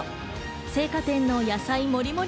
青果店の野菜盛り盛り